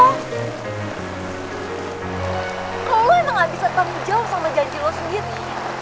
kalau lo emang gak bisa tamu jawa sama janji lo sendiri